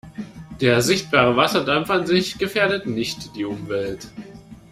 Der sichtbare Wasserdampf an sich gefährdet nicht die Umwelt.